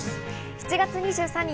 ７月２３日